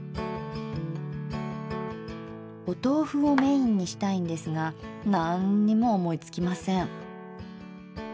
お豆腐をメインにしたいんですがなんっにも思いつきません。